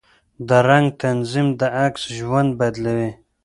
د رنګ تنظیم د عکس ژوند بدلوي.